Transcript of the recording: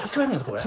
これ。